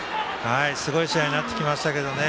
すごい試合になってきましたけどね。